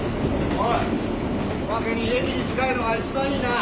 おまけに駅に近いのが一番いいな！